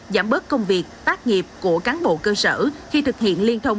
giảm bớt công việc tác nghiệp của cán bộ cơ sở khi thực hiện liên thông